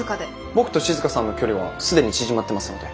僕と静さんの距離は既に縮まってますので。